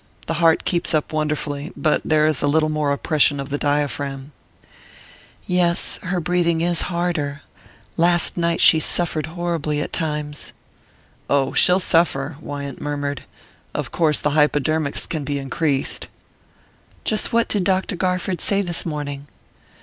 The heart keeps up wonderfully, but there is a little more oppression of the diaphragm." "Yes her breathing is harder. Last night she suffered horribly at times." "Oh she'll suffer," Wyant murmured. "Of course the hypodermics can be increased." "Just what did Dr. Garford say this morning?"